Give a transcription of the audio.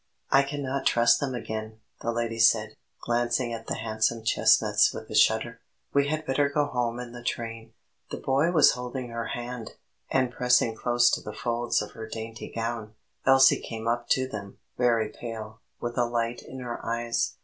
"I cannot trust them again," the lady said, glancing at the handsome chestnuts with a shudder. "We had better go home in the train." The boy was holding her hand, and pressing close to the folds of her dainty gown. Elsie came up to them, very pale, with a light in her eyes.